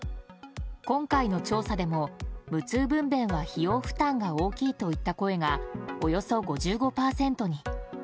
今回の調査でも無痛分娩は費用負担が大きいといった声がおよそ５５％に。